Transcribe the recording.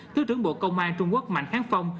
thứ trưởng bộ công an trung quốc mạch khánh phong